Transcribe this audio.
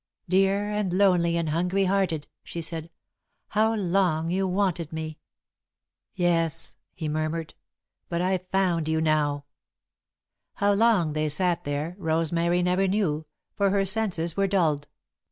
"Dear and lonely and hungry hearted," she said; "how long you wanted me!" "Yes," he murmured, "but I've found you now!" How long they sat there, Rosemary never knew, for her senses were dulled.